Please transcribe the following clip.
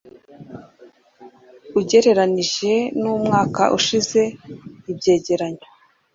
Ugereranije N Umwaka Ushize Ibyegeranyo